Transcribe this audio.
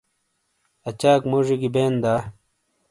اچاک موڇی گی بین دا؟